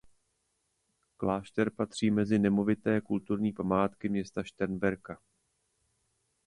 Klášter patří mezi nemovité kulturní památky města Šternberka.